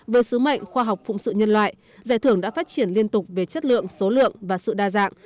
với sứ mệnh khoa học phụng sự nhân loại giải thưởng đã phát triển liên tục về chất lượng số lượng và sự đa dạng